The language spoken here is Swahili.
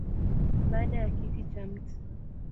Baada ya kiti cha Mt.